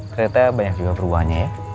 ternyata banyak juga perubahannya ya